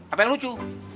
apa yang lucu